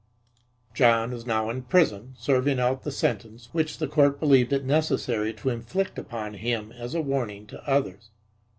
John is now in prison, serving out the sentence which the court believed it necessary to inflict upon him as a warning to others.